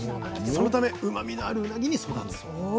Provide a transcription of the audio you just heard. そのためうまみのあるうなぎに育つそうです。